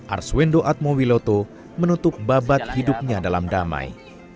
arswendo atmowiloto menutup babat hidupnya dalam damai